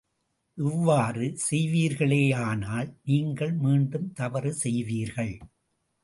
இவ்வாறு செய்வீர்களேயானால், நீங்கள் மீண்டும் தவறு செய்வீர்கள்!